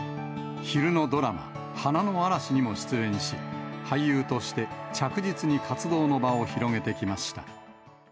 昼のドラマ、華の嵐にも出演し、俳優として着実に活動の場を広げてきました。